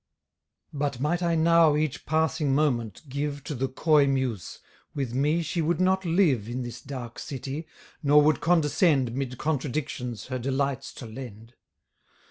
But might I now each passing moment give To the coy muse, with me she would not live In this dark city, nor would condescend 'Mid contradictions her delights to lend.